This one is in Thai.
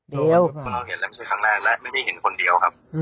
เพราะเราเห็นแล้วไม่ใช่ครั้งแรกและไม่ได้เห็นคนเดียวครับ